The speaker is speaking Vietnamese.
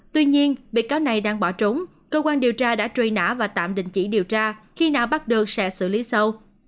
tuy nhiên bị cáo này đang bỏ trốn cơ quan điều tra đã truy nã và tạm đình chỉ điều tra khi nào bắt đơn sẽ xử lý sau